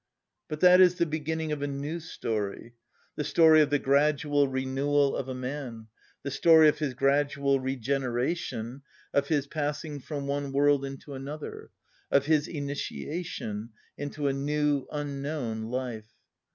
But that is the beginning of a new story the story of the gradual renewal of a man, the story of his gradual regeneration, of his passing from one world into another, of his initiation into a new unknown life.